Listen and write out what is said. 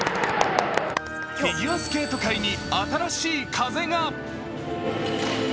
フィギュアスケート界に新しい風が。